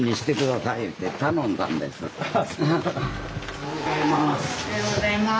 おはようございます。